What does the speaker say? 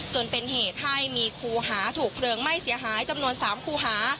จนเป็นเหตุให้มีครูหาถูกเพลิงไหม้เสียหายจำนวน๓คูหา